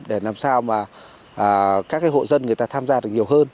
để làm sao mà các hộ dân người ta tham gia được nhiều hơn